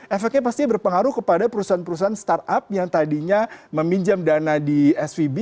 efeknya pasti berpengaruh kepada perusahaan perusahaan startup yang tadinya meminjam dana di svb